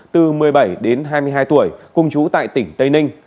từ một mươi bảy đến hai mươi hai tuổi cùng chú tại tỉnh tây ninh